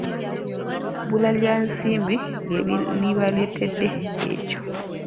Bbula lya nsimbi lye libaleetedde ekyo.